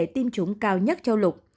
tỷ lệ tiêm chủng cao nhất châu lục